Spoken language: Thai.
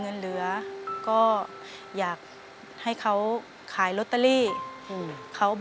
เปลี่ยนเพลงเก่งของคุณและข้ามผิดได้๑คำ